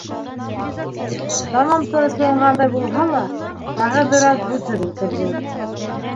Тамам тынысланғандай булһа ла, тағы бер аҙ һүҙһеҙ ултырҙы.